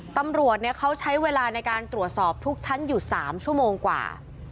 ตำรวจเขาใช้เวลาในการตรวจสอบทุกชั้นอยู่๓ชั่วโมงกว่า